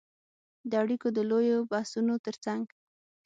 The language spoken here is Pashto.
د اړیکو د لویو بحثونو ترڅنګ